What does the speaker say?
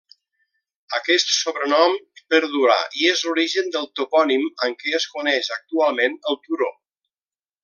Aquest sobrenom perdurà i és l’origen del topònim amb què es coneix actualment el turó.